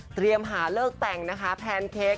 เตรียมหาเลิกแต่งนะคะแพนเค้ก